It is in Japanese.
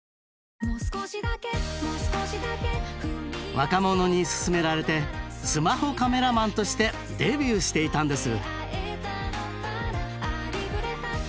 若者に勧められてスマホカメラマンとしてデビューしていたんです。